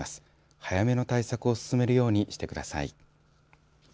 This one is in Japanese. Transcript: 早めの対策を進めるようにしてください。